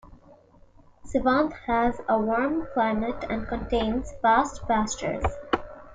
Sivand has a warm climate and contains vast pastures.